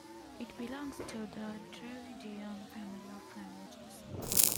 It belongs to the Dravidian family of languages.